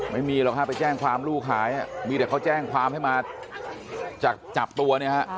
ไม่มีหรอกฮะไปแจ้งความลูกหายมีแต่เขาแจ้งความให้มาจากจับตัวเนี่ยฮะ